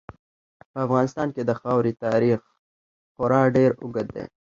په افغانستان کې د خاورې تاریخ خورا ډېر اوږد دی.